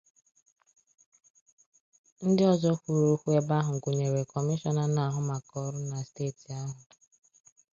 Ndị ọzọ kwuru okwu n'ebe ahụ gụnyere Kọmishọna na-ahụ maka ọrụ na steeti ahụ